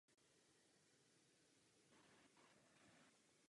Zde trávil léto se svým plukem.